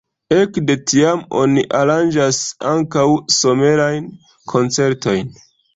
Ekde tiam oni aranĝas ankaŭ somerajn koncertojn.